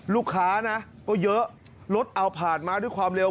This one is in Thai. ลูกค้านะก็เยอะรถเอาผ่านมาด้วยความเร็ว